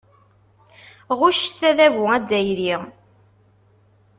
Ɣuccet adabu azzayri.